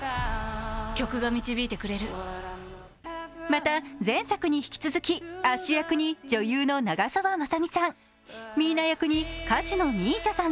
また前作に引き続き、アッシュ役に女優の長澤まさみさん。